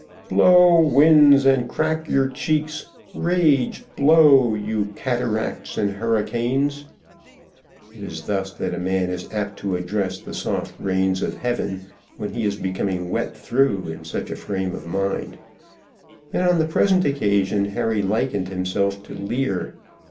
"Blow, winds, and crack your cheeks! rage, blow, You cataracts and hurricanes!" It is thus that a man is apt to address the soft rains of heaven when he is becoming wet through in such a frame of mind; and on the present occasion Harry likened himself to Leer.